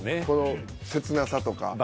この切なさとか。